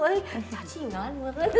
eh ya cinta lah